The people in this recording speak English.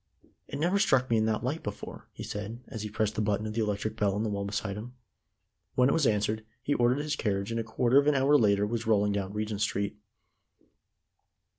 "It never struck me in that light before," he said, as he pressed the button of the electric bell in the wall beside him. When it was answered, he ordered his carriage, and a quarter of an hour later was rolling down Regent Street.